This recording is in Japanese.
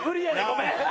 ごめん！